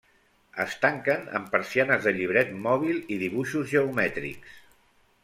Es tanquen amb persianes de llibret mòbil i dibuixos geomètrics.